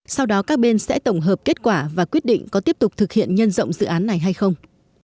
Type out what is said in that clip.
sau đó các bên sẽ tổng hợp kết quả và quyết định có tiếp tục thực hiện nhân rộng dự án này hay không